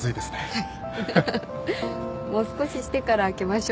はい。